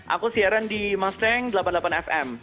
aku siaran di mostheng delapan puluh delapan fm